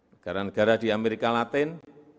negara negara di amerika latin